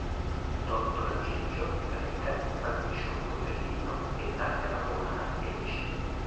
Tolto l'aggeggio, Rika brandisce un coltellino e taglia la gola a Eiji.